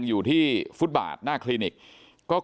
สวัสดีครับทุกคน